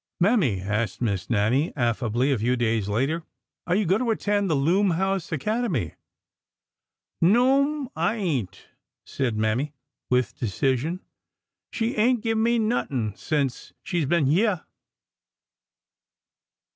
Mammy/' asked Miss Nannie, affably, a few days later, " are you going to attend the Loom house Acad emy ?"" No'm, I ain't !" said Mammy, with decision. '' She ain't give me nothin' sence she 's been hyeah